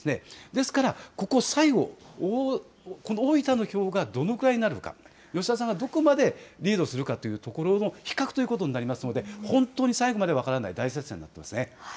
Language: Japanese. ですからここ最後、大分の票がどのぐらいになるのか、吉田さんがどこまでリードするかというところの比較ということになりますので本当に最後まで分からない大接戦です。